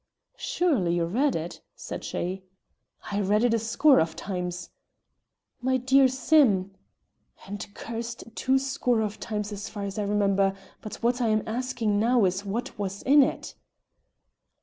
"Surely you read it?" said she. "I read it a score of times " "My dear Sim!" " And cursed two score of times as far as I remember; but what I am asking now is what was in it?"